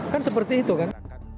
kan seperti itu kan